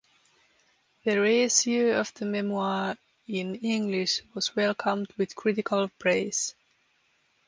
The reissue of the memoirs in English was welcomed with critical praise.